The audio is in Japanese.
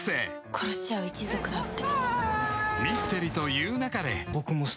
「殺し合う一族だって」